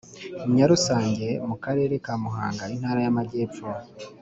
Nyarusange mu Karere ka Muhanga Intara y amajyepfo